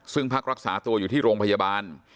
ซึ่งพักรักษาตัวอยู่ที่โรงพยาบาล